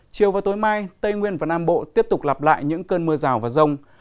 chiều và tối mai tây nguyên và nam bộ tiếp tục lặp lại những cơn mưa rào và rông